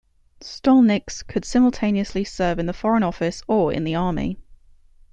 "Stolniks" could simultaneously serve in the foreign office or in the army.